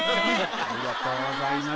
ありがとうございますね。